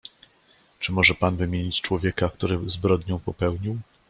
"Czy może pan wymienić człowieka, który zbrodnię popełnił?"